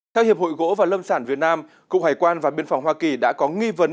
theo hiệp hội gỗ và lâm sản việt nam cục hải quan và biên phòng hoa kỳ đã có nghi vấn